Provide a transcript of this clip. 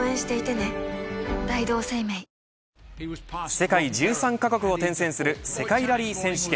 世界１３カ国を転戦する世界ラリー選手権